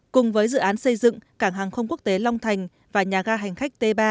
cùng với dự án xây dựng cảng hàng không quốc tế long thành và nhà ga hành khách t ba